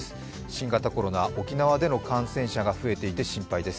新型コロナ、沖縄での感染者が増えていて心配です。